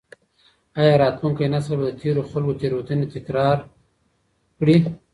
ایا راتلونکی نسل به د تېرو خلګو تېروتنې تکرار کړي؟